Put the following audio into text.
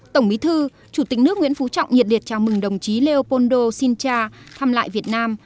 tổng bí thư chủ tịch nước nguyễn phú trọng nhiệt liệt chào mừng đồng chí neopoldo sincha thăm lại việt nam